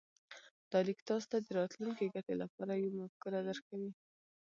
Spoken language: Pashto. دا ليک تاسې ته د راتلونکې ګټې لپاره يوه مفکوره درکوي.